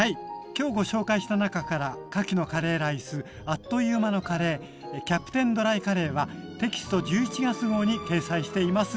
今日ご紹介した中からかきのカレーライスアッという間のカレーキャプテンドライカレーはテキスト１１月号に掲載しています。